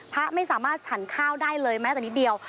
พระไม่สามารถฉันข้าวได้เลยแม้แต่นิดเดียว